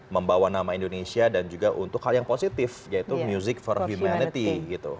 membawa nama indonesia dan juga untuk hal yang positif yaitu music for humanity gitu